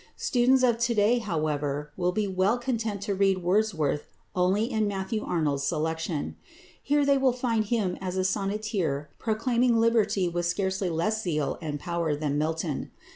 Students of to day, however, will be well content to read Wordsworth only in Matthew Arnold's "Selections." Here they will find him as a sonneteer proclaiming liberty with scarcely less zeal and power than Milton.